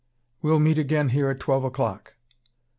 "We'll meet again here at twelve o'clock."